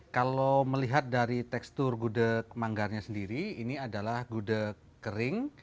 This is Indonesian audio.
kalau melihat dari tekstur gudeg manggarnya sendiri ini adalah gudeg kering